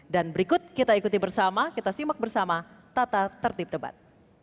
dan berikut kita ikuti bersama kita simak bersama tata tertib debat